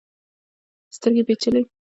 سترګې پیچلي حسي غړي دي.